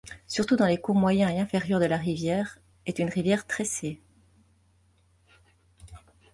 Surtout dans les cours moyen et inférieur de la rivière est une rivière tressée.